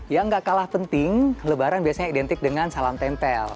yang gak kalah penting lebaran biasanya identik dengan salam tempel